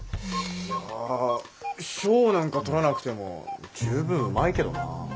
いや賞なんか取らなくてもじゅうぶんうまいけどな。